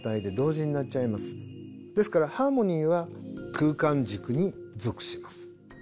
ですからハーモニーは空間軸に属します。